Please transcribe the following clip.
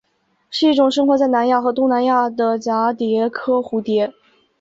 是一种生活在南亚和东南亚的蛱蝶科蝴蝶。